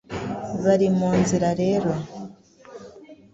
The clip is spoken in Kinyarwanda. Bari mu nzira rero,